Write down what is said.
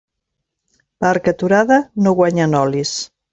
Barca aturada no guanya nolis.